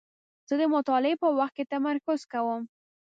زه د مطالعې په وخت کې تمرکز کوم.